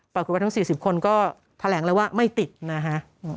ช่วงนี้๔๐คนก็แหลงแล้วว่าไม่ติดนะฮะ